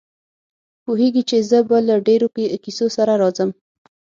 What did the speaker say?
پوهېږي چې زه به له ډېرو کیسو سره راځم.